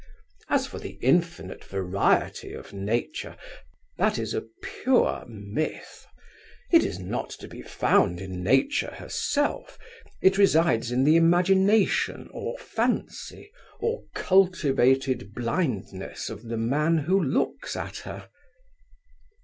As for the infinite variety of Nature, that is a pure myth. It is not to be found in Nature herself. It resides in the imagination, or fancy, or cultivated blindness of the man who looks at her.